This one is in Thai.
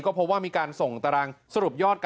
ก็พบว่ามีการส่งตารางสรุปยอด